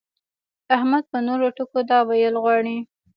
احمد په نورو ټکو دا ويل غواړي.